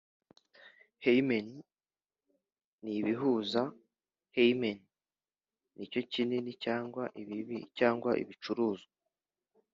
hymen nibihuza: hymen nicyo kinini cyangwa ibibi cyangwa ibicuruzwa